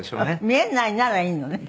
見えないならいいのね。